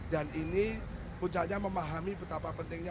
dan ini puncaknya memahami betapa pentingnya